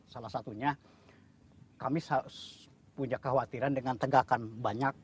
salah satunya kami punya kekhawatiran dengan tegakan banyak